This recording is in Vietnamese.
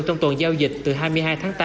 trong tuần giao dịch từ hai mươi hai tháng tám